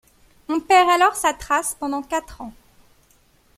On perd alors sa trace pendant quatre ans.